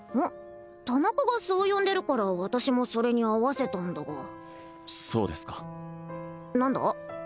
田中がそう呼んでるから私もそれに合わせたんだがそうですか何だ？